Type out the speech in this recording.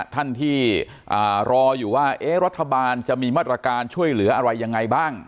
ท่านที่รออยู่ว่ารัฐบาลจะมีมาตรการช่วยเหลืออะไรยังไงบ้าง